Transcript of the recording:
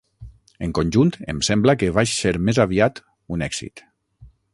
En conjunt, em sembla que vaig ser més aviat un èxit.